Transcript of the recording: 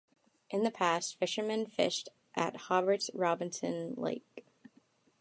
In the past, fishermen fished at Hobart's Robinson Lake.